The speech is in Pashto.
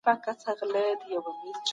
بې کاره ژوند بې ارزښته وي